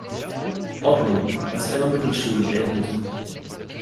Ordnung, was einer Mittelschule ähnelte.